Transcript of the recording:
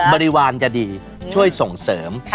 บริวารจะดีช่วยส่งเสริม